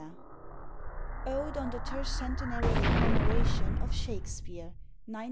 ODE ON THE TERCENTENARY COMMEMORATION OF SHAKESPEARE, 1916.